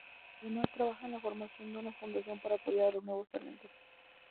Ademas, trabaja en la formación de una fundación para apoyar a los nuevos talentos.